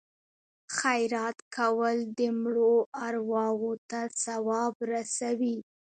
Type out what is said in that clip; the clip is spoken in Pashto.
خیرات کول د مړو ارواو ته ثواب رسوي.